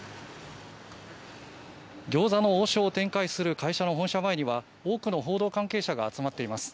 餃子の王将を展開する会社の前には多くの報道関係者が集まっています。